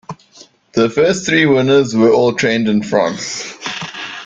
The first three winners were all trained in France.